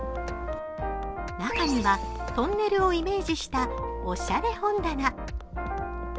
中には、トンネルをイメージしたおしゃれ本棚。